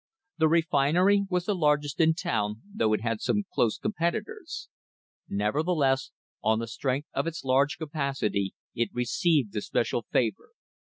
The refinery was the largest in the tow r n, though it had some close competi tors. Nevertheless on the strength of its large capacity it re ceived the special favour.